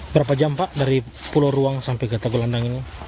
berapa jam pak dari pulau ruang sampai ke tegulandang ini